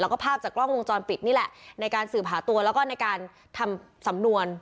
แล้วก็ภาพจากกล้องวงจรปิดนี่แหละในการสืบหาตัวแล้วก็ในการทำสำนวน